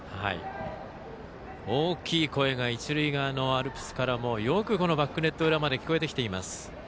大きい声が一塁側のアルプスからよく、このバックネット裏まで聞こえてきています。